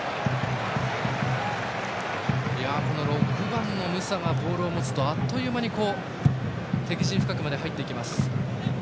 ６番のムサがボールを持つとあっという間に敵陣深くまで入っていきます。